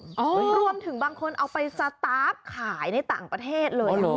รวมถึงบางคนเอาไปสตาร์ฟขายในต่างประเทศเลย